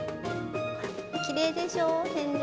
きれいでしょ、天井。